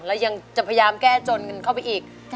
แล้วยังจะพยายามแก้จนกันเข้าไปอีก